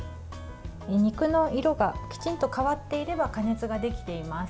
肉の色がきちんと変わっていれば加熱ができています。